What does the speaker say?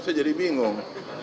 saya masih bingung